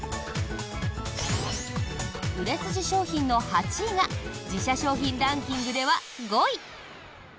売れ筋商品の８位が自社商品ランキングでは５位！